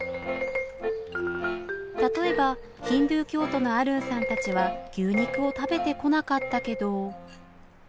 例えばヒンドゥー教徒のアルンさんたちは牛肉を食べてこなかったけど。